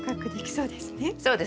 そうですね。